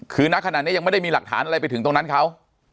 คือนักขณะนี้ยังไม่ได้มีหลักฐานอะไรไปถึงตรงนั้นเขา